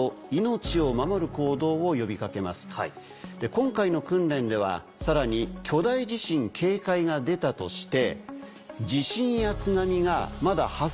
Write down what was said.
今回の訓練ではさらに「巨大地震警戒」が出たとして。